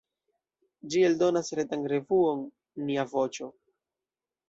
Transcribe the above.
Ĝi eldonas retan revuon "Nia Voĉo".